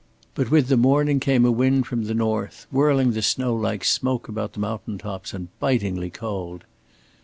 But with the morning came a wind from the north, whirling the snow like smoke about the mountain tops, and bitingly cold.